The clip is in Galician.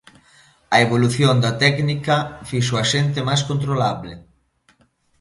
A evolución da técnica fixo á xente máis controlable.